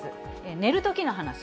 寝るときの話。